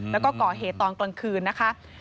แล้วก็ก่อเหตุตอนกลางคืนนะคะ